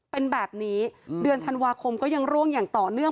เป็นแบบนี้เดือนธันวาคมก็ยังร่วงอย่างต่อเนื่อง